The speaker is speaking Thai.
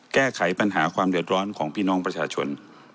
แก้ไขปัญหาความเดือดร้อนของพี่น้องประชาชน